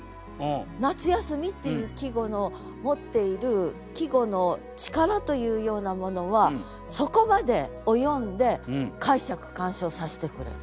「夏休」っていう季語の持っている季語の力というようなものはそこまで及んで解釈鑑賞させてくれる。